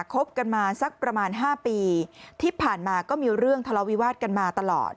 คบกันมาสักประมาณ๕ปีที่ผ่านมาก็มีเรื่องทะเลาวิวาสกันมาตลอด